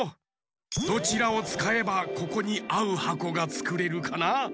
どちらをつかえばここにあうはこがつくれるかな？